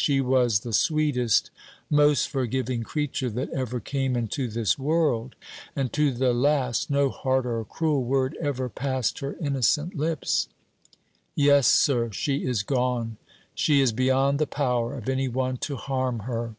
"She was the sweetest, most forgiving creature that ever came into this world; and to the last no hard or cruel word ever passed her innocent lips. Yes, sir, she is gone; she is beyond the power of any one to harm her."